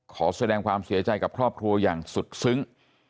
ขอแสดงความเสียใจกับครอบครัวอย่างสุดซึ้ง